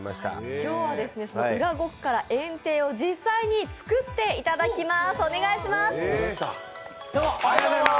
今日はその裏極辛・炎帝、実際に作っていただきます。